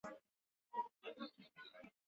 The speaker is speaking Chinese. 丽色军舰鸟是一种军舰鸟。